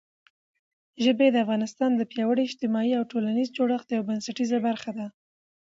ژبې د افغانستان د پیاوړي اجتماعي او ټولنیز جوړښت یوه بنسټیزه برخه ده.